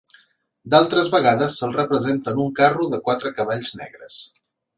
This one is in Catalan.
D'altres vegades se'l representa en un carro de quatre cavalls negres.